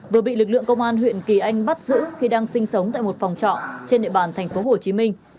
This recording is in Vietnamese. vừa bị lực lượng công an huyện kỳ anh bắt giữ khi đang sinh sống tại một phòng trọ trên địa bàn thành phố hồ chí minh